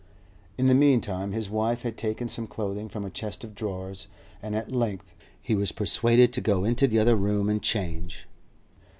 In the meantime his wife had taken some clothing from a chest of drawers, and at length he was persuaded to go into the other room and change.